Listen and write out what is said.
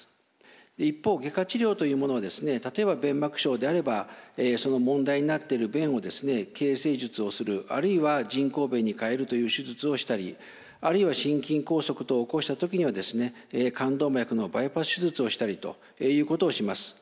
一方外科治療というものは例えば弁膜症であればその問題になっている弁を形成術をするあるいは人工弁にかえるという手術をしたりあるいは心筋梗塞等を起こした時には冠動脈のバイパス手術をしたりということをします。